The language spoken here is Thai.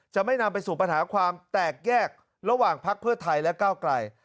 จะไม่นำไปสู่ปัญหาความแตกแยกระหว่างพักเพื่อไทยและก้าวไกล